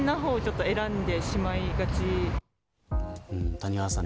谷原さん